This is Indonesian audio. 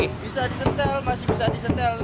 bisa di stem masih bisa di stem